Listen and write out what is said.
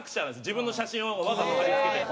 自分の写真をわざわざ貼り付けて。